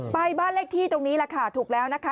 บ้านเลขที่ตรงนี้แหละค่ะถูกแล้วนะคะ